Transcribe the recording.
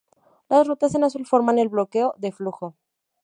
Las rutas en azul forman el bloqueo de flujo.